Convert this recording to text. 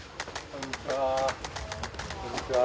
こんにちは。